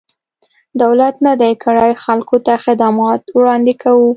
دولت نه دی کړی، خلکو ته خدمات وړاندې کوو.